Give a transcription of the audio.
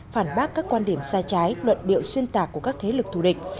phản bác các quan điểm sai trái luận điệu xuyên tạc của các thế lực thù địch